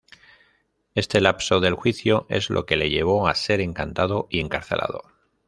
Este lapso del juicio es lo que le llevó a ser encantado y encarcelado.